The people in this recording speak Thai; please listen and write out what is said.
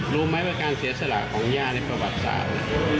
รู้ไหมว่าการเสียสละของย่าในประวัติศาสตร์